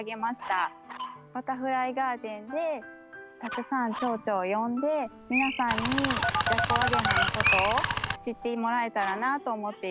バタフライガーデンでたくさんチョウチョを呼んで皆さんにジャコウアゲハのことを知ってもらえたらなと思っています。